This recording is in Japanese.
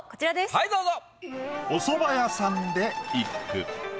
はいどうぞ。